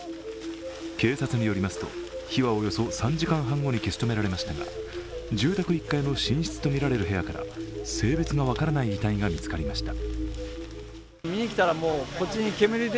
警察によりますと、火はおよそ３時間半後に消し止められましたが住宅１階の寝室とみられる部屋から性別が分からない遺体が見つかりました。